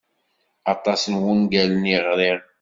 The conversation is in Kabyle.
Aṭas n wungalen i ɣriɣ.